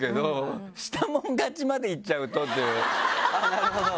なるほど。